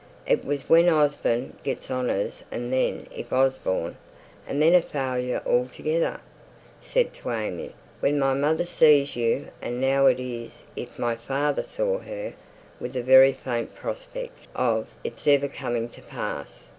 It was 'when Osborne gets honours,' and then 'if Osborne,' and then a failure altogether. I said to AimÄe, 'when my mother sees you,' and now it is 'if my father saw her,' with a very faint prospect of its ever coming to pass."